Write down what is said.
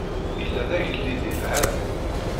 Yella d agellid yelhan.